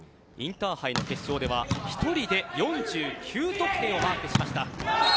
インターハイの決勝では１人で４９得点をマークしました。